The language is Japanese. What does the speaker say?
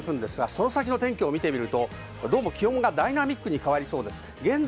その先の気温を見てみると、ダイナミックに変わりそうです。